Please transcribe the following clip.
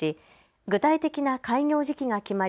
具体的な開業時期が決まり